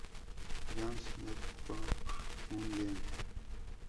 John's, Newfoundland.